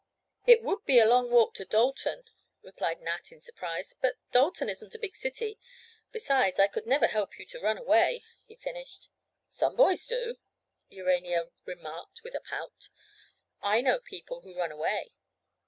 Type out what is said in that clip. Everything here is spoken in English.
"It would be a long walk to Dalton," replied Nat in surprise, "but Dalton isn't a big city. Besides, I could never help you to run away," he finished. "Some boys do," Urania remarked with a pout. "I know people who run away.